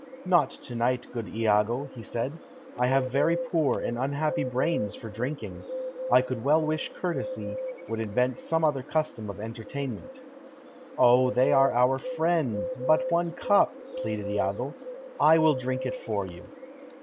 "Not to night, good Iago," he said. "I have very poor and unhappy brains for drinking; I could well wish courtesy would invent some other custom of entertainment." "O, they are our friends! But one cup!" pleaded Iago. "I will drink it for you."